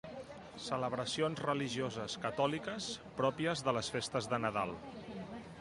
Celebracions religioses catòliques pròpies de les festes de Nadal.